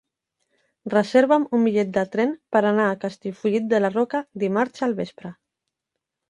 Reserva'm un bitllet de tren per anar a Castellfollit de la Roca dimarts al vespre.